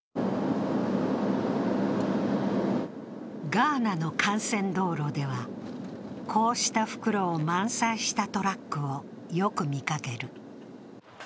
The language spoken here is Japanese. ガーナの幹線道路ではこうした袋を満載したトラックをよく見かける。